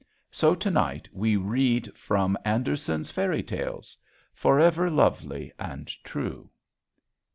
So to night we read from 'Andersen's Fairy Tales' forever lovely and true."